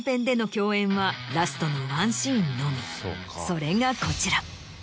それがこちら。